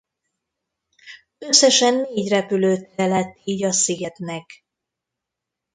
Összesen négy repülőtere lett így a szigetnek.